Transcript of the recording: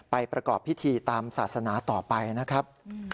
ประกอบพิธีตามศาสนาต่อไปนะครับ